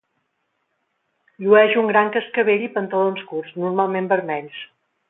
Llueix un gran cascavell i pantalons curts, normalment vermells.